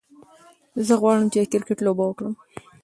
زه غواړم چې د کرکت لوبه وکړم.